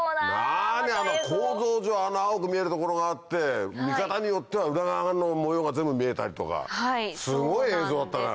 何あの構造上青く見える所があって見方によっては裏側の模様が全部見えたりとかすごい映像だったね。